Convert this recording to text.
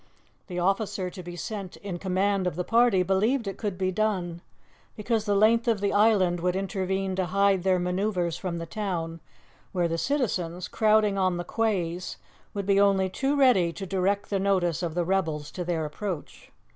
The officer to be sent in command of the party believed it could be done, because the length of the island would intervene to hide their manoeuvres from the town, where the citizens, crowding on the quays, would be only too ready to direct the notice of the rebels to their approach.